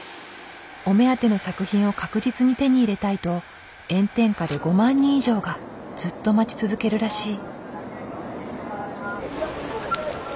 お目当ての作品を確実に手に入れたいと炎天下で５万人以上がずっと待ち続けるらしい。